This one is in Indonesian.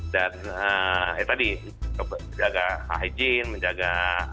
dan ya tadi menjaga hijin menjaga